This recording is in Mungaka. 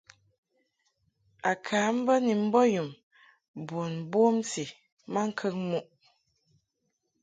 A ka mbə ni mbɔnyum bun bomti maŋkəŋ muʼ.